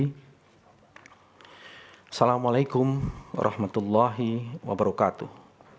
assalamualaikum warahmatullahi wabarakatuh